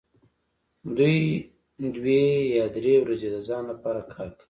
دوی دوې یا درې ورځې د ځان لپاره کار کوي